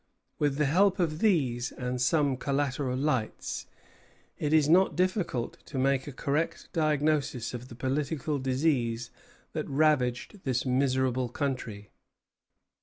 With the help of these and some collateral lights, it is not difficult to make a correct diagnosis of the political disease that ravaged this miserable country.